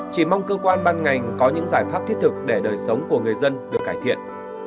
chỉ mong cơ quan ban ngành có những giải pháp thiết thực để đời sống của người dân được cải thiện